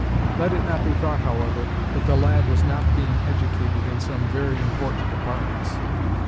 Let it not be thought, however, that the lad was not being educated in some very important departments.